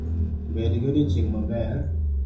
Bed gi odiochieng’ maber